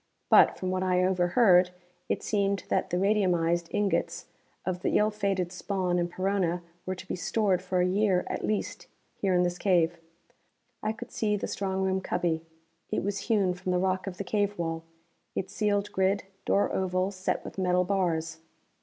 But, from what I overheard, it seemed that the radiumized ingots of the ill fated Spawn and Perona were to be stored for a year at least, here in this cave. I could see the strong room cubby. It was hewn from the rock of the cave wall, its sealed grid door oval set with metal bars.